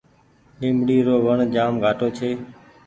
ليبڙي رو وڻ جآم گھآٽو ڇي۔